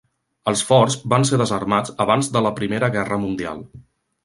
Els forts van ser desarmats abans de la Primera Guerra Mundial.